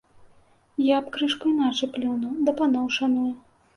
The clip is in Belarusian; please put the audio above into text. Я б крышку іначай плюнуў, ды паноў шаную.